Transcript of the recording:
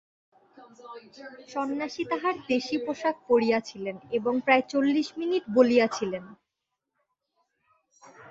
সন্ন্যাসী তাঁহার দেশী পোষাক পরিয়াছিলেন এবং প্রায় চল্লিশ মিনিট বলিয়াছিলেন।